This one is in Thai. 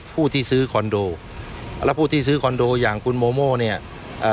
ผู้ที่ซื้อคอนโดแล้วผู้ที่ซื้อคอนโดอย่างคุณโมโม่เนี่ยเอ่อ